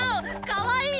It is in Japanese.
かわいい？